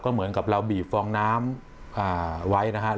เหมือนกับเราบีบฟองน้ำไว้นะครับ